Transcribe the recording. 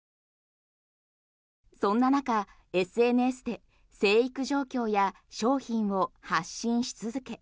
そんな中、ＳＮＳで生育状況や商品を発信し続け